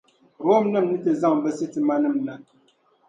Romnim’ ni ti zaŋ bɛ sitimanim’ na.